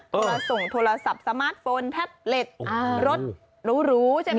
โทรส่งโทรศัพท์สมาร์ทโฟนแท็บเล็ตรถหรูใช่ไหม